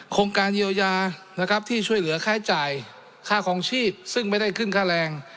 โครงการเยียวยานะครับที่ช่วยเหลือค่าจ่ายค่าคลองชีพซึ่งไม่ได้ขึ้นค่าแรง